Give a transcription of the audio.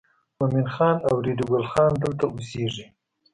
مومن خان او ریډي ګل خان دلته اوسېږي.